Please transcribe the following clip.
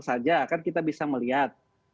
saja kan kita bisa melihat